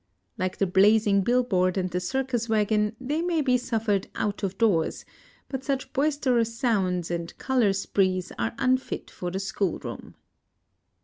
Like the blazing bill board and the circus wagon, they may be suffered out of doors; but such boisterous sounds and color sprees are unfit for the school room.